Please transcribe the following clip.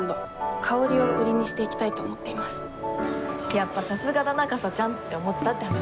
やっぱさすがだなかさちゃんって思ったって話。